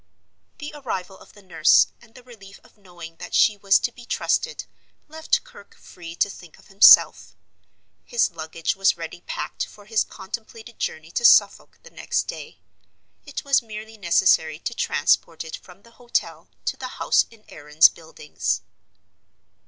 The arrival of the nurse, and the relief of knowing that she was to be trusted, left Kirke free to think of himself. His luggage was ready packed for his contemplated journey to Suffolk the next day. It was merely necessary to transport it from the hotel to the house in Aaron's Buildings.